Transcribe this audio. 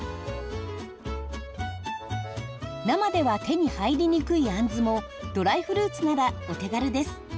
生では手に入りにくいあんずもドライフルーツならお手軽です。